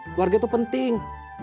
keluarga itu penting